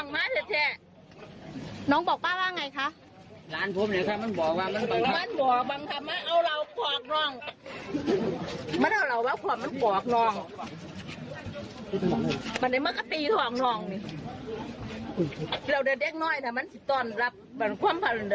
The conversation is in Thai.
มาบอกป้าว่าไงคะ